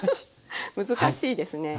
難しいですね。